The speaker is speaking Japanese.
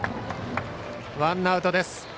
ワンアウトです。